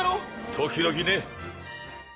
時々ね。